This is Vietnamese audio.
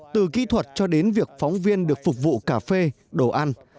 từ kỹ thuật cho đến việc phóng viên được phục vụ cà phê đồ ăn